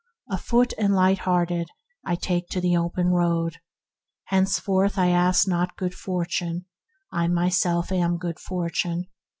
"Afoot and lighthearted, I take to the open road. Henceforth I ask not good fortune: I myself am good fortune.